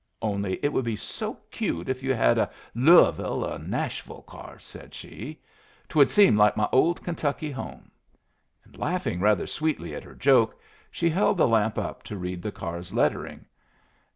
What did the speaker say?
Only it would be so cute if you had a Louavull an' Nashvull car," said she. "Twould seem like my old Kentucky home!" And laughing rather sweetly at her joke, she held the lamp up to read the car's lettering.